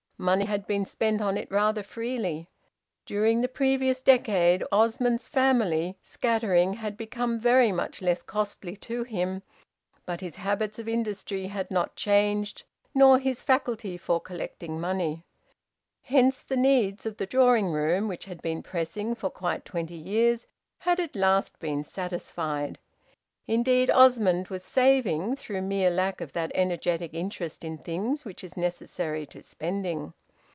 Money had been spent on it rather freely. During the previous decade Osmond's family, scattering, had become very much less costly to him, but his habits of industry had not changed, nor his faculty for collecting money. Hence the needs of the drawing room, which had been pressing for quite twenty years, had at last been satisfied; indeed Osmond was saving, through mere lack of that energetic interest in things which is necessary to spending.